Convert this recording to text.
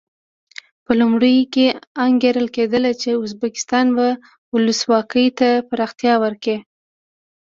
په لومړیو کې انګېرل کېده چې ازبکستان به ولسواکي ته پراختیا ورکړي.